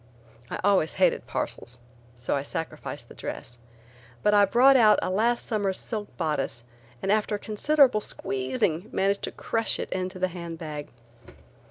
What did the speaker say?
I always hated parcels so I sacrificed the dress, but I brought out a last summer's silk bodice and after considerable squeezing managed to crush it into the hand bag.